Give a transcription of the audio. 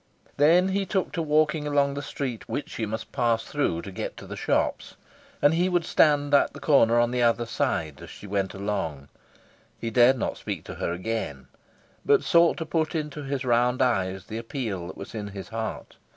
Then he took to walking along the street which she must pass through to get to the shops, and he would stand at the corner, on the other side, as she went along. He dared not speak to her again, but sought to put into his round eyes the appeal that was in his heart.